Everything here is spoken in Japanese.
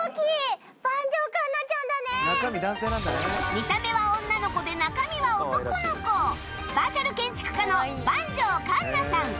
見た目は女の子で中身は男の子バーチャル建築家の番匠カンナさん